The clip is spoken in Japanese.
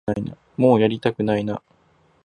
もうやりたくないな